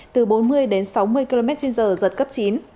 từ bốn mươi đến sáu mươi km trên giờ giật cấp chín